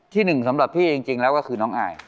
หนึ่งสำหรับพี่จริงแล้วก็คือน้องอาย